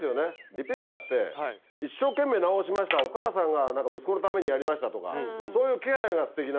リペアって一生懸命直しましたお母さんが息子のためにやりましたとかそういう気配がすてきなわけ。